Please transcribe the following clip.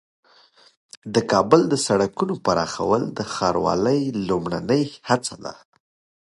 د کابل د سړکونو پراخول د ښاروالۍ لومړنۍ هڅه ده.